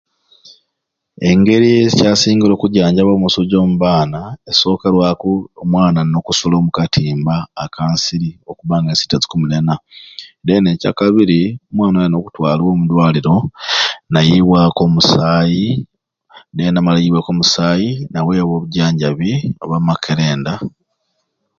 Engeri ekyasingire okujjanjjaba omusujja omu baana esokerwaku omwana ayina okusula omu katimba aka nsiri okuba nga nti tezikumunena then ekyakabiri omwana ayina okutwalwa omudwaliro nayibwaku omusayi then namala eyibweku omusaayi naweebwa obujjanjjabi obwa makerenda